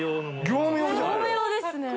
業務用ですね。